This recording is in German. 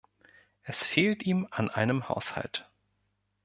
Es fehlt ihm an einem Haushalt.